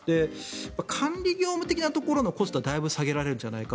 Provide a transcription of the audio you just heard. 管理業務的なところのコストはだいぶ下げられるんじゃないか